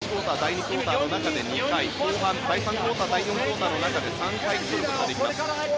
タイムアウトは第１クオーター第２クオーターの中で２回後半第３、第４クオーターの中で３回取ることができます。